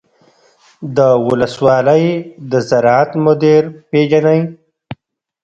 د ولسوالۍ د زراعت مدیر پیژنئ؟